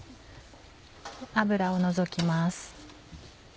脂を除きます。